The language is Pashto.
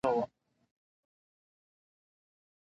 د بېلا بېلو زاویو او برداشتونو و.